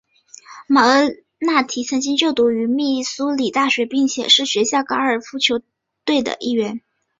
马尔纳提曾经就读于密苏里大学并且是学校高尔夫球队的一员。